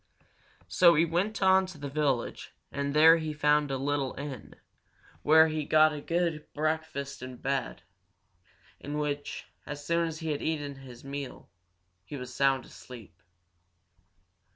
So he went on to the village, and there he found a little inn, where he got a good breakfast and a bed, in which, as soon as he had eaten his meal, he was sound asleep.